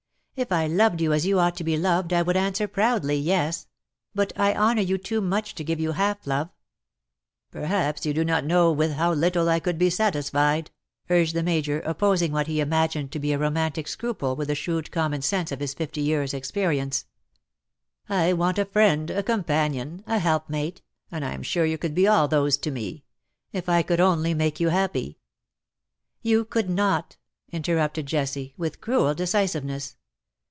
If I loved you as you ought to be loved I would answer proudly, Yes; but I honour you too much to give you half love/^ " Perhaps you do not know with how little I could be satisfied,^' urged the Major, opposing what he imagined to be a romantic scruple with the shrewd common sense of his fifty years' experience. 182 IN SOCIETY. " I want a friend, a companion, a helpmate, and I am sure you could be all those to me. If 1 could only make you happy !'^ ''You could not!^^ interrupted Jessie, with cruel decisiveness.